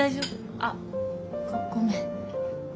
あっごごめん。